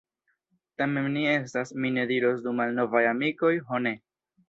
Tamen ni estas, mi ne diros du malnovaj amikoj, ho ne!